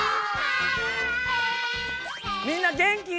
みんなげんき？